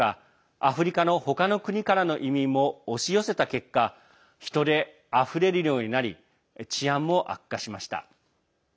アフリカの他の国からの移民も押し寄せた結果人であふれるようになり治安も悪化しました。